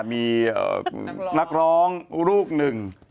มีนักร้องลูกหนึ่ง